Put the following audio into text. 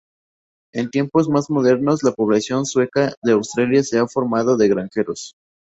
En tiempos más modernos, la población sueca de Australia se ha formado de granjeros.